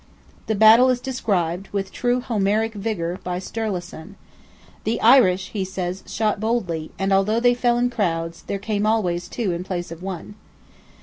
The battle is described, with true Homeric vigour, by Sturleson. "The Irish," he says, "shot boldly; and although they fell in crowds, there came always two in place of one."